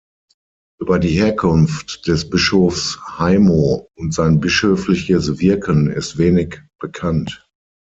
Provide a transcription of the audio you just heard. Über die Herkunft des Bischofs Haymo und sein bischöfliches Wirken ist wenig bekannt.